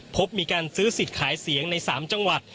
พบมีการซื้อสิทธิ์ขายเสียงใน๓จังหวัด